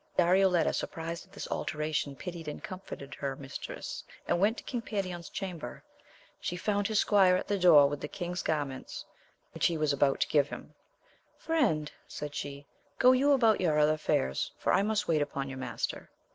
Darioleta surprized at this alteration, pitied and comforted her mistress, and went to King Perion's chamber. She found his squire at the door with the King's gar ments, which he was about to give him ; Friend, said she, go you about your other affairs, for I must wait upon your master.